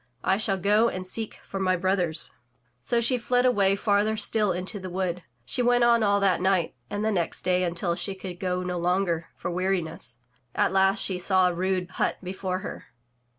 I shall go and seek for my brothers." So she fled away farther still into the wood. She went on all that night and the next day until she could go no longer for weariness. At last she saw a mde hut before her.